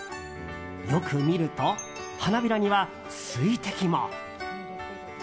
よく見ると花びらには水滴も。